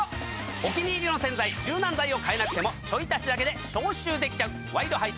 お気に入りの洗剤柔軟剤を変えなくてもちょい足しだけで消臭できちゃう。